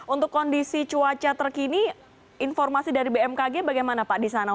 untuk kondisi cuaca terkini informasi dari bmkg bagaimana pak di sana